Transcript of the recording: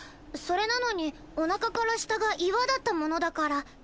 それなのにおなかから下が岩だったものだから。